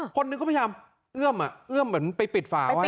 คนนึงก็พยายามเอื้อมแบบมันไปปิดฝาไว้